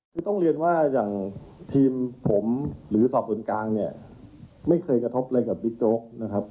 คือต้องเรียนว่าอย่างทีมผมหรือสอบส่วนกลางเนี่ยไม่เคยกระทบอะไรกับบิ๊กโจ๊กนะครับ